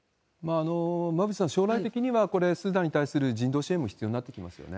馬渕さん、将来的にはこれ、スーダンでできる人道支援も必要になってきますよね。